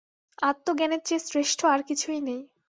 আত্মজ্ঞানের চেয়ে শ্রেষ্ঠ আর কিছুই নেই।